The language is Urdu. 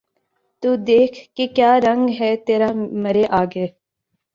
تو دیکھ کہ کیا رنگ ہے تیرا مرے آگے